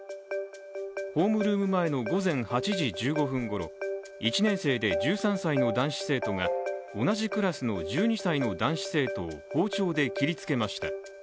ホームルーム前の午前８時１５分ごろ１年生で１３歳の男子生徒が同じクラスの１２歳の男子生徒を包丁で切りつけました。